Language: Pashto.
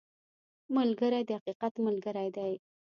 ملګری د حقیقت ملګری دی